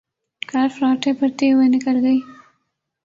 کار فراٹے بھرتی ہوئے نکل گئی۔